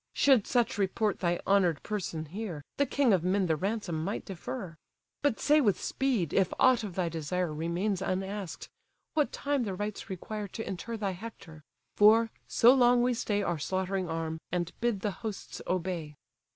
Should such report thy honour'd person here, The king of men the ransom might defer; But say with speed, if aught of thy desire Remains unask'd; what time the rites require To inter thy Hector? For, so long we stay Our slaughtering arm, and bid the hosts obey."